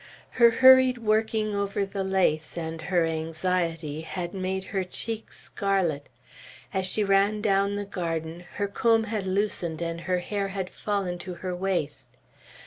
Her hurried working over the lace, and her anxiety, had made her cheeks scarlet. As she ran down the garden, her comb had loosened and her hair fallen to her waist.